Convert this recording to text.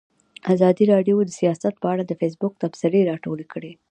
ازادي راډیو د سیاست په اړه د فیسبوک تبصرې راټولې کړي.